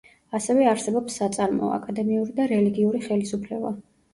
ასევე არსებობს საწარმოო, აკადემიური და რელიგიური ხელისუფლება.